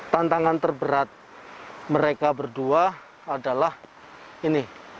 tantangan terberat mereka berdua adalah ini